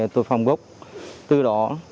tội phạm gốc từ đó